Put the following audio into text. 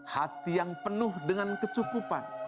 hati yang penuh dengan kecukupan